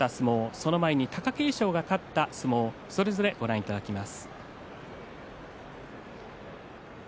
その前に貴景勝が勝った相撲それぞれご覧いただきます。